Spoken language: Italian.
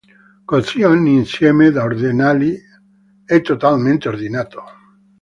Così ogni insieme di ordinali è totalmente ordinato.